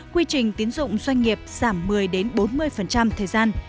quy trình tín dụng doanh nghiệp giảm một mươi bốn mươi